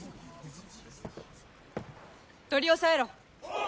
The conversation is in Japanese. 取り押さえろはっ！